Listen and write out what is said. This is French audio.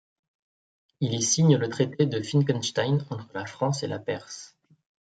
Il y signe le traité de Finckenstein entre la France et la Perse.